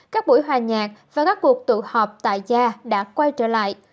các buổi hòa nhạc và các cuộc tụ họp tại cha đã quay trở lại